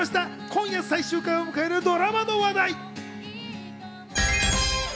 今夜、最終回を迎えるドラマの話題。